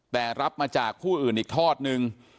แต่รับมาจากผู้อื่นอีกทอดนึง